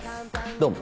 どうも。